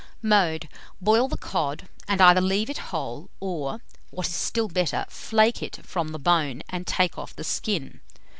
Mode. Boil the cod, and either leave it whole, or, what is still better, flake it from the bone, and take off the skin.